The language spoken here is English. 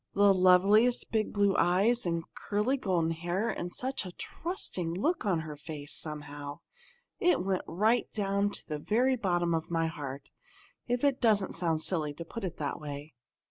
"The loveliest big blue eyes, and curly golden hair, and such a trusting look in her face, somehow! It went right down to the very bottom of my heart, if it doesn't sound silly to put it that way."